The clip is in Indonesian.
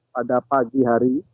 pada pagi hari